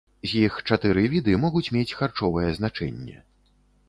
З іх чатыры віды могуць мець харчовае значэнне.